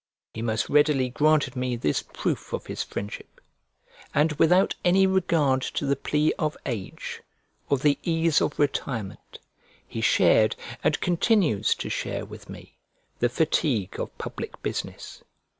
He most readily granted me this proof of his friendship; and without any regard to the plea of age, or the ease of retirement, he shared, and continues to share, with me, the fatigue of public business.